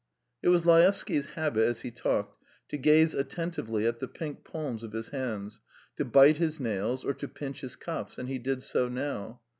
It was Laevsky's habit as he talked to gaze attentively at the pink palms of his hands, to bite his nails, or to pinch his cuffs. And he did so now.